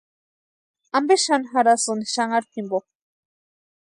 ¿Ampe xani jarhasïni xanharu jimpo?